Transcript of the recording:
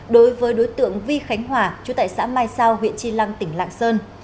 đối với đối tượng vi khánh hòa chú tại xã mai sao huyện tri lăng tỉnh lạng sơn